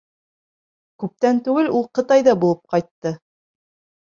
Күптән түгел ул Ҡытайҙа булып ҡайтты.